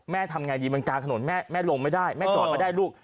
ทำไงดีมันกลางถนนแม่ลงไม่ได้แม่จอดไม่ได้ลูก